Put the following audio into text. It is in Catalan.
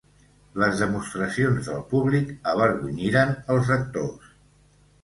Les demostracions del públic avergonyiren els actors.